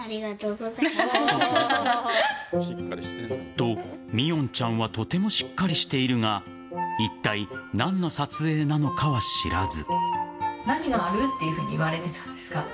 と、みおんちゃんはとてもしっかりしているがいったい何の撮影なのかは知らず。